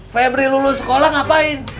febri lulus sekolah ngapain